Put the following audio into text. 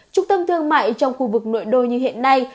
trung tâm thương mại trong khu vực nội đô như hiện nay